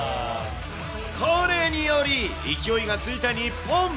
これにより、勢いがついた日本。